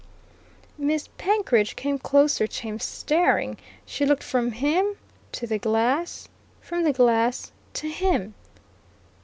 Miss Penkridge came closer to him, staring. She looked from him to the glass, from the glass to him.